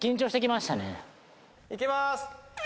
行きます。